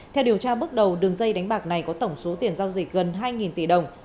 theo điều tra bước đầu đường dây đánh bạc này có tổng số tiền giao dịch gần hai tỷ đồng